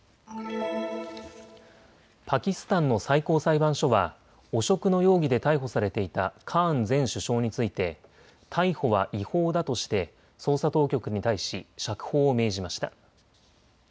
パキスタンの最高裁判所は汚職の容疑で逮捕されていたカーン前首相について逮捕は違法だとして捜査当局に対し釈放を命じました。